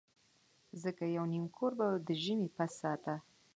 ځکه یو نیم کور به د ژمي پس ساته.